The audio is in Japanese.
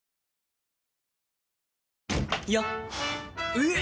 えっ！